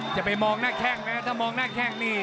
จะไปมองหน้าแข้งนะถ้ามองหน้าแข้งนี่